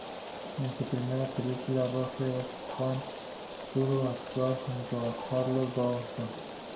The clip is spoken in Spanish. En su primera película, "Rose of San Juan", pudo actuar junto a Charlotte Burton.